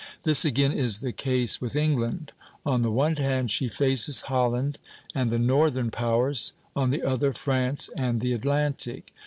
This again is the case with England; on the one hand she faces Holland and the northern powers, on the other France and the Atlantic.